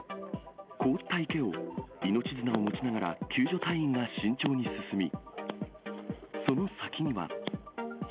凍った池を、命綱を持ちながら、救助隊員が慎重に進み、その先には。